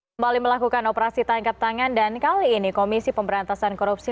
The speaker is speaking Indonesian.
kembali melakukan operasi tangkap tangan dan kali ini komisi pemberantasan korupsi